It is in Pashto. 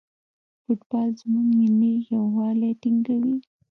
فوټبال زموږ ملي یووالی ټینګوي.